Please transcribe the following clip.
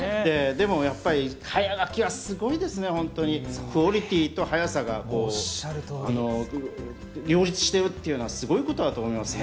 早描きはすごいですね、クオリティーと速さが両立しているというのはすごいことだと思いますね。